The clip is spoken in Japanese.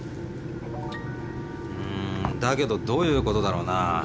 んーだけどどういうことだろうなあ？